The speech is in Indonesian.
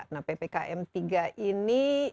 nah ppkm tiga ini